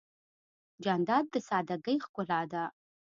جانداد د سادګۍ ښکلا ده.